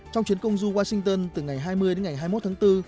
trong chuyến công du washington từ ngày hai mươi đến ngày hai mươi một tháng bốn